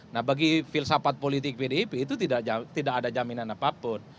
nah bagi filsafat politik pdip itu tidak ada jaminan apapun